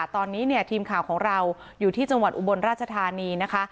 ตอนนี้เนี่ยทีมข่าวของเราอยู่ที่จังหวัดอุบลราชธานีนะคะ